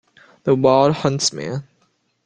The wild huntsman.